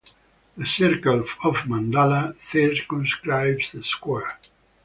The circle of mandala circumscribes the square.